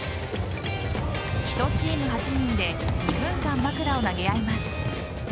１チーム８人で２分間、枕を投げ合います。